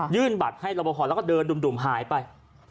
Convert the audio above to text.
ยื่นบัตรให้รอปภแล้วก็เดินดุ่มหายไป